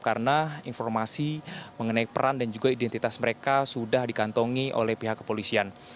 karena informasi mengenai peran dan juga identitas mereka sudah dikantongi oleh pihak kepolisian